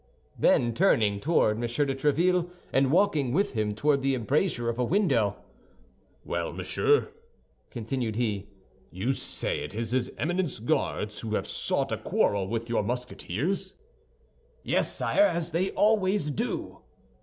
Then turning toward M. de Tréville and walking with him toward the embrasure of a window, "Well, monsieur," continued he, "you say it is his Eminence's Guards who have sought a quarrel with your Musketeers?" "Yes, sire, as they always do."